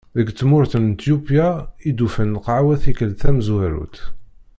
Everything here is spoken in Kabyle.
Deg tmurt n Ityupya i d-ufan lqahwa tikkelt tamezwarut.